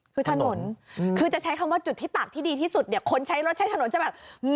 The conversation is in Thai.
คือถนนคือจะใช้คำว่าจุดที่ตักที่ดีที่สุดเนี่ยคนใช้รถใช้ถนนจะแบบ